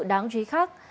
đáng chú ý khác